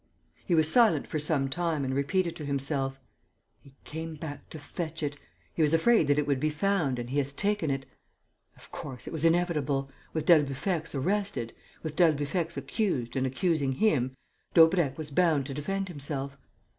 He was silent for some time and repeated to himself: "He came back to fetch it.... He was afraid that it would be found and he has taken it.... Of course, it was inevitable ... with d'Albufex arrested, with d'Albufex accused and accusing him, Daubrecq was bound to defend himself.